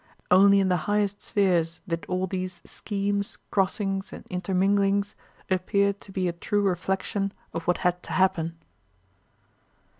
Only in the highest spheres did all these schemes, crossings, and interminglings appear to be a true reflection of what had to happen.